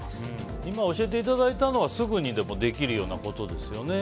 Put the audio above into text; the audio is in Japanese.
今教えていただいたのはすぐにでもできるようなことですよね。